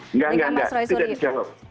tidak tidak tidak dijawab